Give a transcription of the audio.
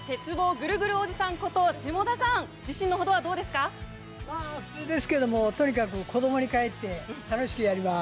ぐるぐるおじさんこと、下田さん、自信のほどはまあ、普通ですけども、とにかく子どもにかえって、楽しくやります。